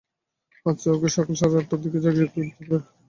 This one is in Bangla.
আচ্ছা, ওকে সকাল সাড়ে আটটার মধ্যে জাগিয়ে দিতে পারবে?